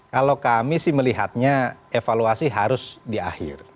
kalau kami sih melihatnya evaluasi harus di akhir